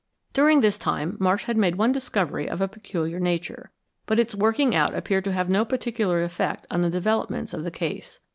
During this time Marsh had made one discovery of a peculiar nature, but its working out appeared to have no particular effect on the developments of the case.